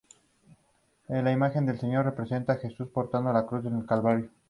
Rápidamente fue atendido.